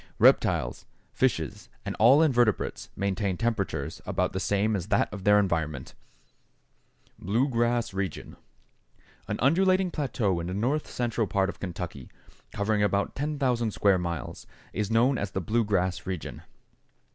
Reptiles, fishes, and all invertebrates maintain temperatures about the same as that of their environment. =Blue Grass Region.= An undulating plateau in the north central part of Kentucky, covering about 10,000 square miles, is known as the Blue Grass Region.